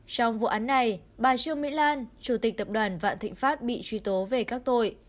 trong vụ án này bà trương mỹ lan chủ tịch tập đoàn vạn thịnh pháp bị truy tố về các tội